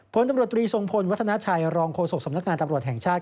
พลตำรวจตรีทรงพลวัฒนาชัยรองโฆษกสำนักงานตำรวจแห่งชาติ